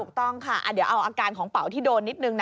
ถูกต้องค่ะเดี๋ยวเอาอาการของเป๋าที่โดนนิดนึงนะ